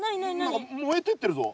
何か燃えてってるぞ。